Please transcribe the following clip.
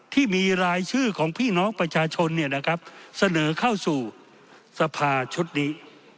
ที่มีรายชื่อของพี่น้องประชาชนเสนอเข้าสู่สภาชุดนี้